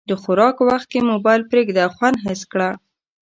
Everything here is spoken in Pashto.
د خوراک وخت کې موبایل پرېږده، خوند حس کړه.